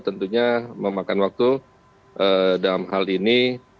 tentunya memakan waktu dalam hal ini